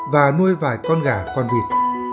và nuôi vài con gà con vịt